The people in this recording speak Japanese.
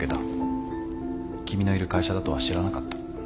君のいる会社だとは知らなかった。